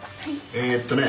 えーっとね